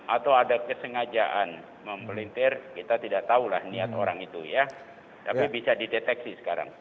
atau ada kesengajaan mempelintir kita tidak tahulah niat orang itu ya tapi bisa dideteksi sekarang